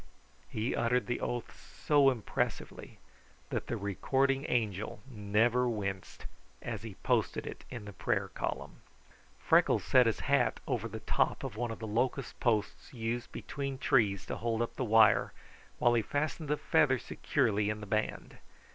He uttered the oath so impressively that the recording angel never winced as he posted it in the prayer column. Freckles set his hat over the top of one of the locust posts used between trees to hold up the wire while he fastened the feather securely in the band.